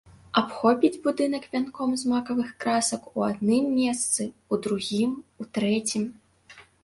Абхопіць будынак вянком з макавых красак у адным месцы, у другім, у трэцім.